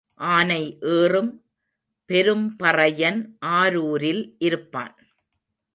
ஆனை ஏறும் பெரும்பறையன் ஆரூரில் இருப்பான்.